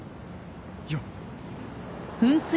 よっ。